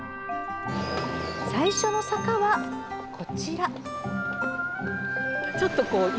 最初の坂は、こちら。